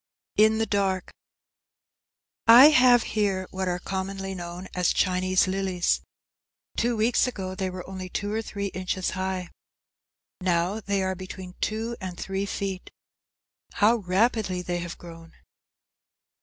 "_ IN THE DARK I have here what are commonly known as Chinese lilies. Two weeks ago they were only two or three inches high. Now they are between two and three feet. How rapidly they have grown!